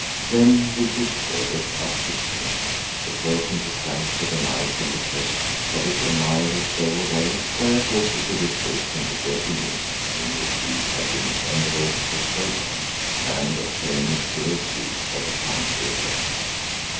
Then we pushed forward up the slope, proposing to camp for the night on the crest of it a mile or so away where I thought we should escape from the deadly mist in which we had been enveloped for so long, and obtain a clear view of the country ahead.